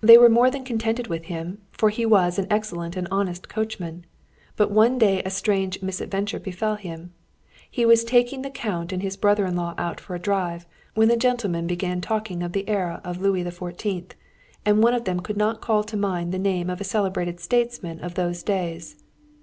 They were more than contented with him, for he was an excellent and honest coachman. But one day a strange misadventure befell him. He was taking the Count and his brother in law out for a drive, when the gentleman began talking of the era of Louis XIV., and one of them could not call to mind the name of a celebrated statesman of those days.